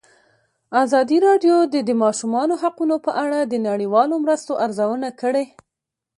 ازادي راډیو د د ماشومانو حقونه په اړه د نړیوالو مرستو ارزونه کړې.